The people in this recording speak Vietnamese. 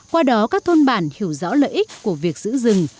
qua đó các thôn bản hiểu rõ lợi ích của việc giữ rừng